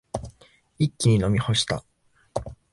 一気に飲み干した。